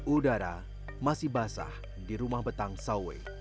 udara masih basah di rumah betang sawe